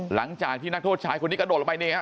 หลังจากที่นักโทษชายคนนี้กระโดดลงไปนี่ฮะ